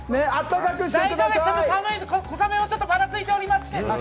小雨もちょっとぱらついておりますけれども。